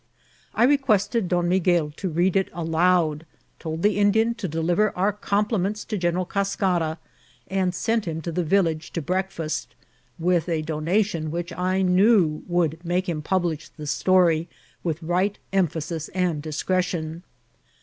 I requested Don Mi guel to read it aloud, told the Indian to deliver our com pliments to General Cascara, and sent him to the vil lage to breakfast, with a donation which I knew would make him publish the stcnry with right emphasuB and discreticMi.